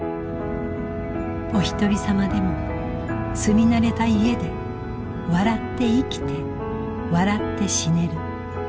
おひとりさまでも住み慣れた家で笑って生きて笑って死ねる。